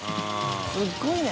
すごいね。